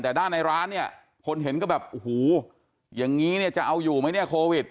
แต่ด้านในร้านคนเห็นก็แบบโอ้โหอย่างนี้จะเอาอยู่ไหมโควิด